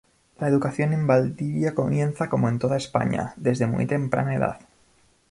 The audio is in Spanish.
La educación en Valdivia comienza como en toda España, desde muy temprana edad.